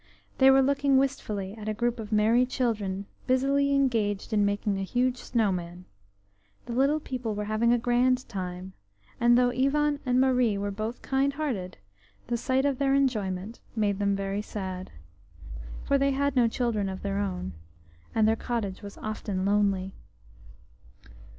They were looking wistfully at a group of merry children busily engaged in making a huge snow man; the little people were having a grand time, and though Ivan and Marie were both kind hearted, the sight of their enjoyment made them very sad. For they had no child of their own, and their cottage was often lonely.